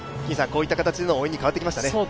こういった形での応援に変わってきましたね。